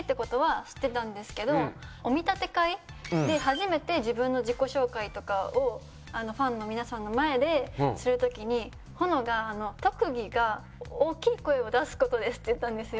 お見立て会で初めて自分の自己紹介とかをファンの皆さんの前でするときに保乃が「特技が大きい声を出すことです」って言ったんですよ。